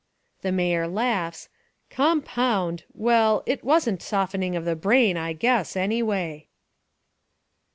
the Mayor laughs, 'com pound — well, it wasn't softening of the brain, I guess, anyway.'